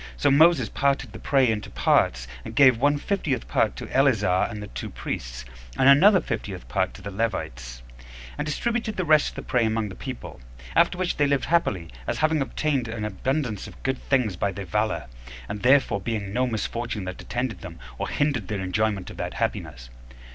14 So Moses parted the prey into parts, and gave one fiftieth part to Eleazar and the two priests, and another fiftieth part to the Levites; and distributed the rest of the prey among the people. After which they lived happily, as having obtained an abundance of good things by their valor, and there being no misfortune that attended them, or hindered their enjoyment of that happiness.